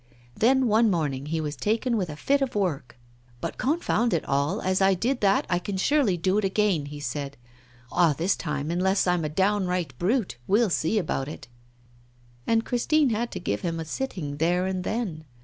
Then, one morning, he was taken with a fit of work. 'But, confound it all, as I did that, I can surely do it again,' he said. 'Ah, this time, unless I'm a downright brute, we'll see about it.' And Christine had to give him a sitting there and then.